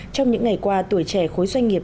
trong những ngày qua tuổi trẻ khối doanh nghiệp